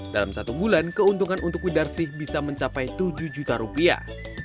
dalam satu bulan keuntungan untuk widarsih bisa mencapai tujuh juta rupiah